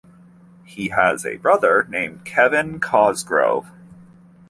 He has a brother named Kevin Cosgrove.